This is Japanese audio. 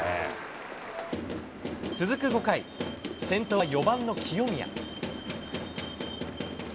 続く５回、先頭は４番の清宮。